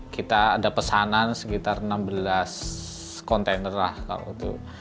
kita ada pesanan sekitar enam belas kontainer lah kalau itu